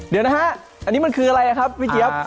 เดี๋ยวนะฮะอันนี้มันคืออะไรครับพี่เจี๊ยบ